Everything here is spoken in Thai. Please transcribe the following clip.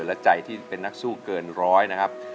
และใจที่เป็นนักสู้เกินร้อยนะครับ